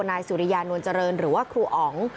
นายสุริยานวลเจริญหรือว่าครูอ๋อง